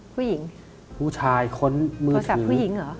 ผู้หญิงโทรศัพท์ผู้หญิงเหรอ